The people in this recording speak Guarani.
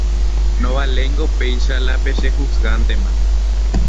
ndovaléingo péicha la pechejuzgántema.